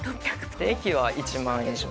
駅は１万以上。